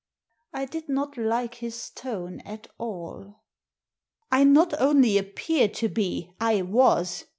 I did not like his tone at all. "I not only appeared to be, I was.